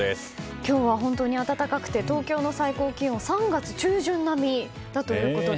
今日は本当に暖かくて東京の最高気温３月中旬並みだということで。